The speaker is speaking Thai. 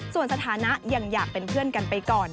ส่วนสถานะยังอยากเป็นเพื่อนกันไปก่อน